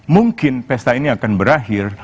mungkin pesta ini akan berakhir